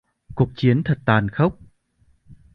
cuộc chiến thật tàn khốc